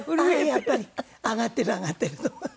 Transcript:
やっぱりあがってるあがってると。